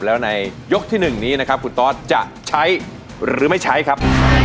แล้วในยกที่๑นี้นะครับคุณตอสจะใช้หรือไม่ใช้ครับ